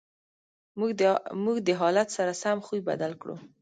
موږ د حالت سره سم خوی بدل کړو.